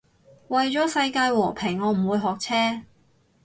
為咗世界和平我唔會學車